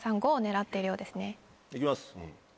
５を狙っているようですね。